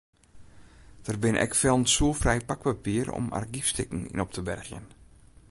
Der binne ek fellen soerfrij pakpapier om argyfstikken yn op te bergjen.